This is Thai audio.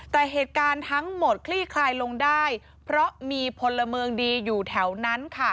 แต่เหตุการณ์ทั้งหมดคลี่คลายลงได้เพราะมีพลเมืองดีอยู่แถวนั้นค่ะ